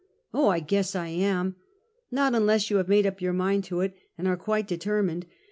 "Oh! I guess I am!" " !Not unless you have made up your mind to it, and are quite determined.